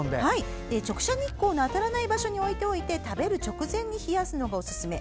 直射日光の当たらない場所に置いておいて食べる直前に冷やすのがおすすめ。